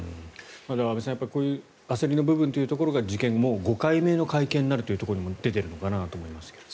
安部さん、こういう焦りの部分というところが事件後５回目の会見になるというところに出ているのかなと思いますけど。